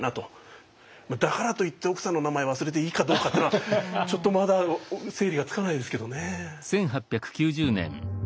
だからといって奥さんの名前忘れていいかどうかっていうのはちょっとまだ整理がつかないですけどね。